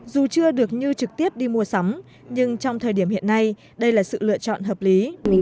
dù chưa được như trực tiếp đi mua sắm nhưng trong thời điểm hiện nay đây là sự lựa chọn hợp lý